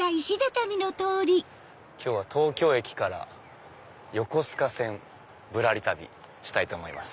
今日は東京駅から横須賀線ぶらり旅したいと思います。